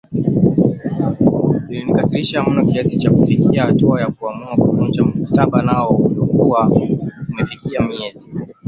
kilinikasirisha mno kiasi cha kufikia hatua ya kuamua kuvunja mkataba nao uliokuwa umefikia miezi